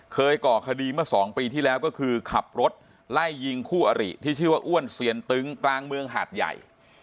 ก่อคดีเมื่อ๒ปีที่แล้วก็คือขับรถไล่ยิงคู่อริที่ชื่อว่าอ้วนเซียนตึ้งกลางเมืองหาดใหญ่